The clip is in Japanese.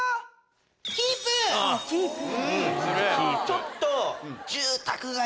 ちょっと。